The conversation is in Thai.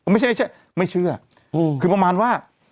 ไม่ใช่ไม่เชื่อคือประมาณว่า